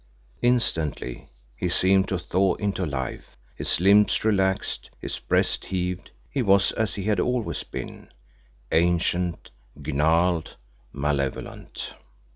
Instantly he seemed to thaw into life, his limbs relaxed, his breast heaved, he was as he had always been: ancient, gnarled, malevolent.